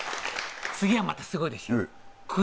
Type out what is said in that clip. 次はまたすごいですよ。